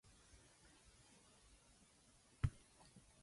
The station features some art installations.